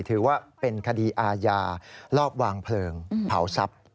ถือว่าเป็นคดีอาญารอบวางเพลิงเผาทรัพย์